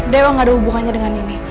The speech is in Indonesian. dewa nggak ada hubungannya dengan ini